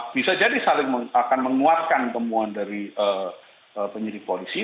bisa jadi saling akan menguatkan temuan dari penyidik polisi